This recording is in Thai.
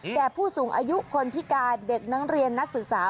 แก่ผู้สูงอายุคนพิการเด็กนักเรียนนักศึกษา